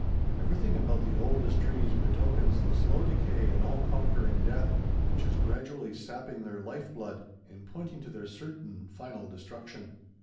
Everything about the oldest trees betokens the slow decay and all conquering death, which is gradually sapping their life blood and pointing to their certain, final destruction.